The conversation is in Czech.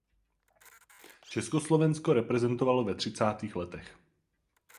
Československo reprezentovala ve třicátých letech.